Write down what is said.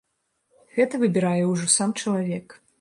Гэта выбірае ўжо сам чалавек.